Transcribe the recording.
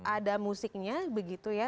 ada musiknya begitu ya